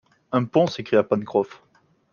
Un pont s’écria Pencroff